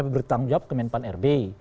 bertanggung jawab ke menpan rbi